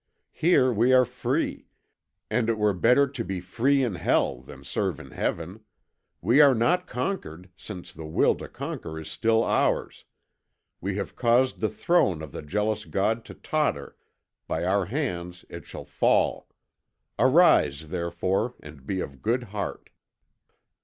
Here we are free, and it were better to be free in Hell than serve in Heaven. We are not conquered, since the will to conquer is still ours. We have caused the Throne of the jealous God to totter; by our hands it shall fall. Arise, therefore, and be of good heart.'